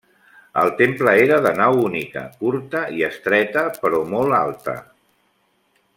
El temple era de nau única, curta i estreta, però molt alta.